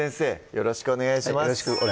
よろしくお願いします